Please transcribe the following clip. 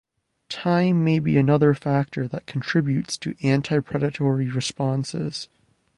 Time may be another factor that contributes to anti-predatory responses.